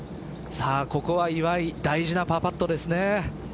ここは岩井大事なパーパットですね。